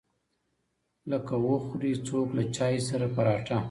لکه وخوري څوک له چاى سره پراټه.